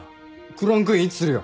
クランクインいつするよ？